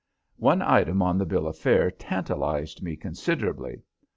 One item on the bill of fare tantalized me considerably.